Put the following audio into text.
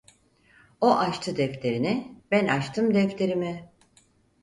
O açtı defterini, ben açtım defterimi…